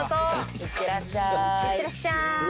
行ってらっしゃい！